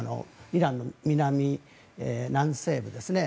イランの南、南西部ですね。